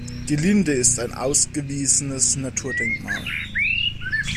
Die Linde ist ein ausgewiesenes Naturdenkmal.